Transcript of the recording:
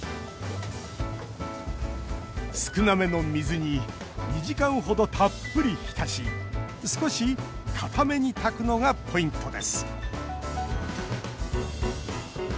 少なめの水に２時間程たっぷり浸し少し硬めに炊くのがポイントです。